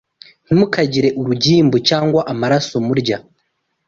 ntimukagire urugimbu cyangwa amaraso murya